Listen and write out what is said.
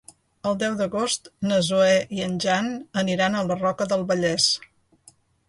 El deu d'agost na Zoè i en Jan aniran a la Roca del Vallès.